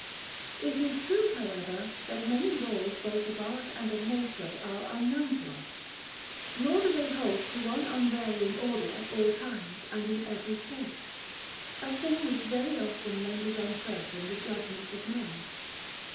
It is true, however, that many laws both of art and of nature are unknown to us, nor do they hold to one unvarying order at all times and in every case, a thing which very often renders uncertain the judgments of men.